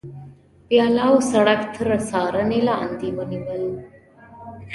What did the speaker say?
ویاله او سړک تر څارنې لاندې ونیول.